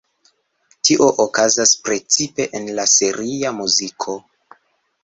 Tio okazas precipe en la seria muziko.